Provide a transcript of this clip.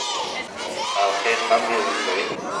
Ṛqiq am iẓḍi.